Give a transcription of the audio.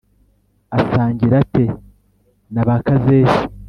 asangira ate na ba Kazehe?